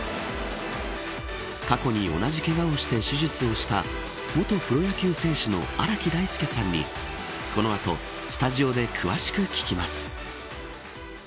過去に同じけがをして手術をした元プロ野球選手の荒木大輔さんにこの後スタジオで詳しく聞きます。